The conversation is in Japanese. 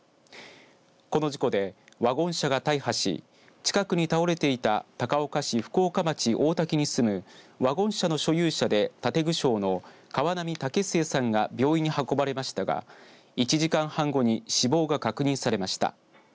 この事故でワゴン車が大破し近くに倒れていた高岡市福岡町大滝に住むワゴン車の所有者で建具商の河南武末さんが病院に運ばれましたが１時間半後に死亡が確認されました。